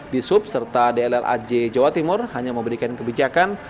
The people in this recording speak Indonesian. bisub serta dlraj jawa timur hanya memberikan kebijakan